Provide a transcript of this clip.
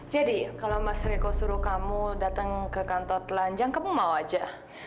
jadi kalau mas riko suruh kamu datang ke kantor telanjang kamu mau aja